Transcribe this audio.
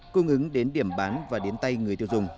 cung ứng đến điểm bán và đến tay người tiêu dùng